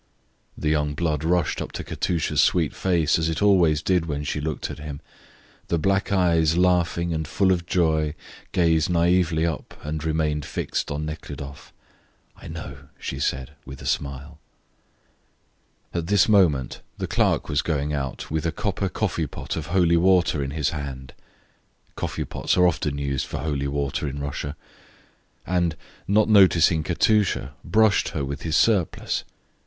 The young blood rushed up to Katusha's sweet face, as it always did when she looked at him. The black eyes, laughing and full of joy, gazed naively up and remained fixed on Nekhludoff. "I know," she said, with a smile. At this moment the clerk was going out with a copper coffee pot [coffee pots are often used for holding holy water in Russia] of holy water in his hand, and, not noticing Katusha, brushed her with his surplice.